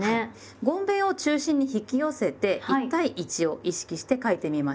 ごんべんを中心に引き寄せて１対１を意識して書いてみましょう。